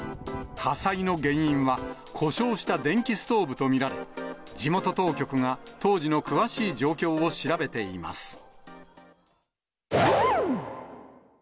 火災の原因は故障した電気ストーブと見られ、地元当局が当時の詳しい状況を調べています。